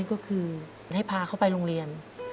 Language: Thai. ก็คือให้พาเขาไปโรงเรียน